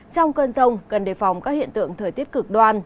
trong cơn rông cần đề phòng các hiện tượng thời tiết cực đoan